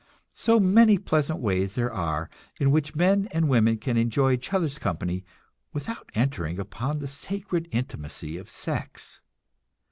So many pleasant ways there are in which men and women can enjoy each other's company without entering upon the sacred intimacy of sex!